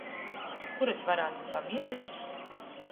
Kur es varātum pamiereit?